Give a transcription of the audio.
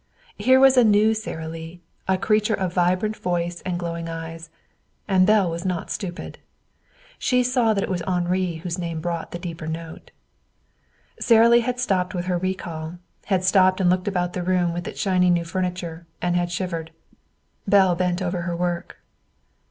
Here was a new Sara Lee, a creature of vibrant voice and glowing eyes; and Belle was not stupid. She saw that it was Henri whose name brought the deeper note. Sara Lee had stopped with her recall, had stopped and looked about the room with its shiny new furniture and had shivered. Belle bent over her work.